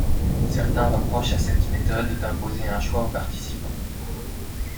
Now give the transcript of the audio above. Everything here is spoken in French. Certains reprochent à cette méthode d'imposer un choix aux participants.